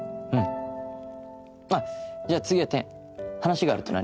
あっじゃあ次はてん話があるって何？